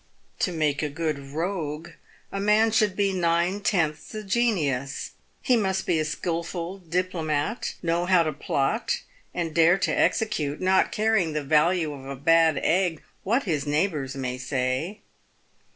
To make a good rogue, a man should /be nine tenths a genius. He must be a skilful diplomatist, know how to plot, and dare to execute, not caring the value of a bad egg what his neighbours may say.